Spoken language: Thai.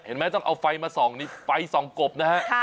เห็นไหมต้องเอาไฟมาส่องนี่ไฟส่องกบนะฮะ